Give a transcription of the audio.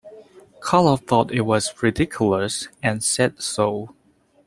Karloff thought it was ridiculous and said so.